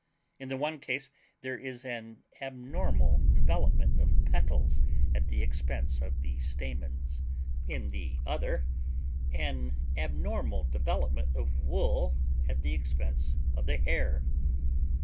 In the one case there is an abnormal development of petals at the expense of the stamens, in the other an abnormal development of wool at the expense of the hair.